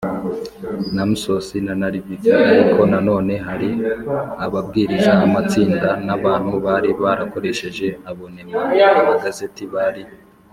Namsos na narvik ariko nanone hari ababwiriza amatsinda n abantu bari barakoresheje abonema amagazeti bari